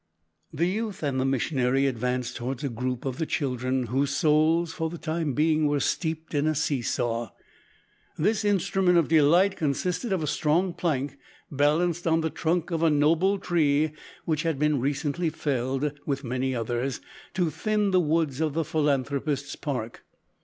The youth and the missionary advanced towards a group of the children, whose souls, for the time being, were steeped in a see saw. This instrument of delight consisted of a strong plank balanced on the trunk of a noble tree which had been recently felled, with many others, to thin the woods of the philanthropist's park.